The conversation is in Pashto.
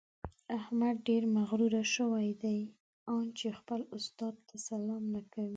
احمد ډېر مغروره شوی دی؛ ان چې خپل استاد ته سلام نه کوي.